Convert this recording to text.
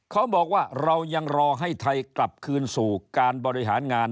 เขาบอกว่าเรายังรอให้ไทยกลับคืนสู่การบริหารงาน